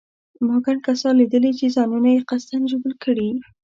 ما ګڼ کسان لیدلي چې ځانونه یې قصداً ژوبل کړي.